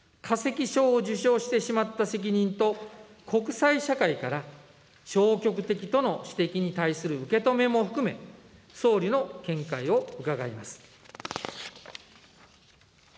化石賞を受賞してしまった責任と、国際社会から消極的との指摘に対する受け止めも含め、総理の見解を伺います。